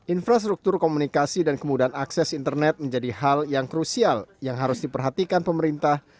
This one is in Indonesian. infrastruktur komunikasi dan kemudahan akses internet menjadi hal yang krusial yang harus diperhatikan pemerintah